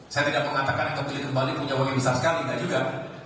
saya tidak mengatakan yang terpilih kembali punya uang yang besar sekali tidak juga